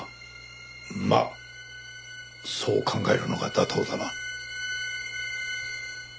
まあそう考えるのが妥当だな。